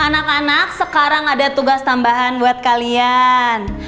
anak anak sekarang ada tugas tambahan buat kalian